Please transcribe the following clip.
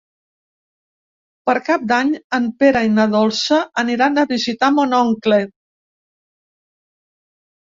Per Cap d'Any en Pere i na Dolça aniran a visitar mon oncle.